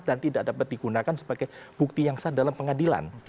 dan tidak dapat digunakan sebagai bukti yang sah dalam pengadilan